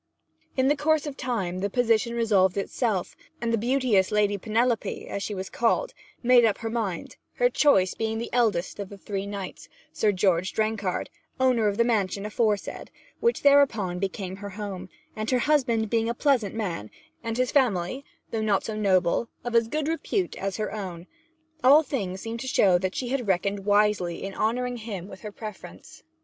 In the course of time the position resolved itself, and the beauteous Lady Penelope (as she was called) made up her mind; her choice being the eldest of the three knights, Sir George Drenghard, owner of the mansion aforesaid, which thereupon became her home; and her husband being a pleasant man, and his family, though not so noble, of as good repute as her own, all things seemed to show that she had reckoned wisely in honouring him with her preference.